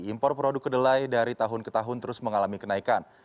impor produk kedelai dari tahun ke tahun terus mengalami kenaikan